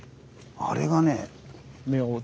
あれがね。